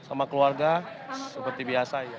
sama keluarga seperti biasa